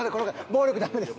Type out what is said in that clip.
暴力ダメです。